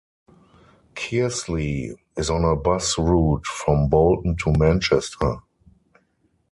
Kearsley is on a bus route from Bolton to Manchester.